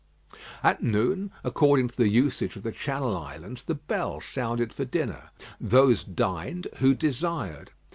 At noon, according to the usage of the Channel Islands, the bell sounded for dinner. Those dined who desired.